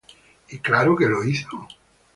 Y claro que lo hizo.